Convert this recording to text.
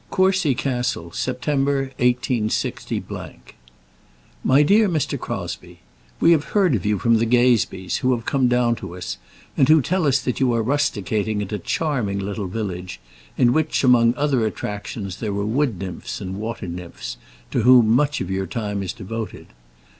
Courcy Castle, September, 186 . MY DEAR MR. CROSBIE, We have heard of you from the Gazebees, who have come down to us, and who tell us that you are rusticating at a charming little village, in which, among other attractions, there are wood nymphs and water nymphs, to whom much of your time is devoted.